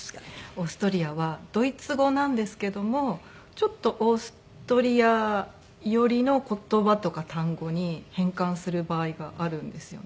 オーストリアはドイツ語なんですけどもちょっとオーストリア寄りの言葉とか単語に変換する場合があるんですよね。